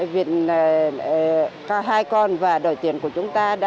việc hai con và đổi tiền của chúng tôi